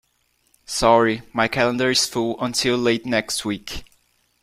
Sorry, my calendar is full until late next week.